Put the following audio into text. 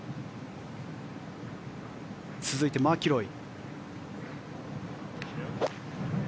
続いてマキロイ。